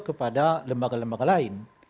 kepada lembaga lembaga lain